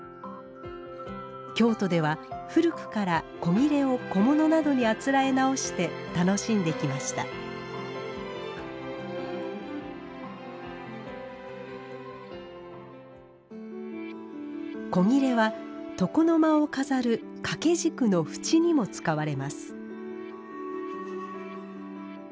京都では古くから古裂を小物などにあつらえ直して楽しんできました古裂は床の間を飾る掛け軸の縁にも使われます